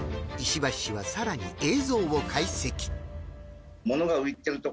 石橋氏はさらに映像を解析。